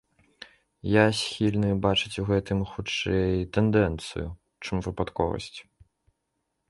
Я схільны бачыць у гэтым, хутчэй, тэндэнцыю, чым выпадковасць.